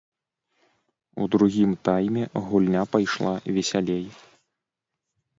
У другім тайме гульня пайшла весялей.